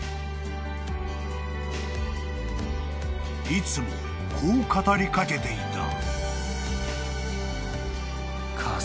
［いつもこう語りかけていた］